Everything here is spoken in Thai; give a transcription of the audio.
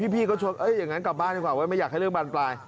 พี่ก็ชวนอย่างนั้นกลับบ้านดีกว่าว่าไม่อยากให้เรื่องบานปลาย